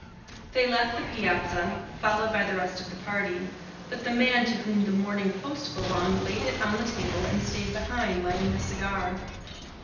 They left the piazza, followed by the rest of the party; but the man to whom the MORNING POST belonged laid it on the table and stayed behind, lighting a cigar.